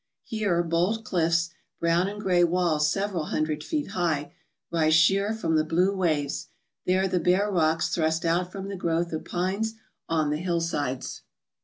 Here bold cliffs, brown and gray walls several hundred feet high, rise sheer from the blue waves; there the bare rocks thrust out from the growth of pines on the hillsides.